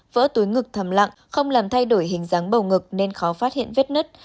vỡ túi ngực thầm lặng không làm thay đổi hình dáng bầu ngực nên khó phát hiện vết nứt